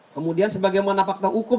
kemudian sebagaimana fakta hukum